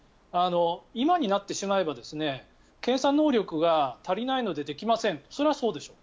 今になってしまえば検査能力が足りないのでできませんそれはそうでしょう。